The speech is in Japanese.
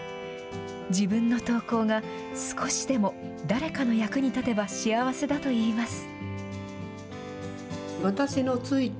自分の投稿が少しでも誰かの役に立てば幸せだといいます。